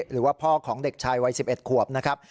หรือว่าพ่อของเด็กชายวัย๑๑ขวบนะครับ